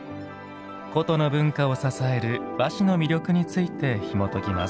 古都の文化を支える和紙の魅力についてひもときます。